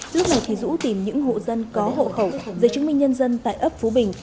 lúc này thì dũ tìm những hộ dân có hộ khẩu giấy chứng minh nhân dân tại ấp phú bình